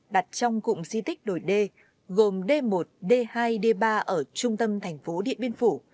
đặt trong cụm di tích đổi đê gồm d một d hai d ba ở trung tâm thành phố điện biên phủ